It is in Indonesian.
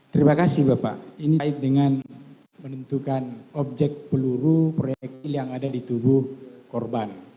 terima kasih bapak ini kait dengan menentukan objek peluru proyekil yang ada di tubuh korban